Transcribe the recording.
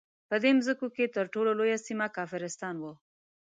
په دې مځکو کې تر ټولو لویه سیمه کافرستان وو.